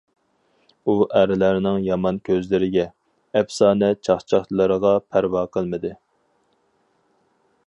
ئۇ ئەرلەرنىڭ يامان كۆزلىرىگە، ئەپسانە چاقچاقلىرىغا. پەرۋا قىلمىدى.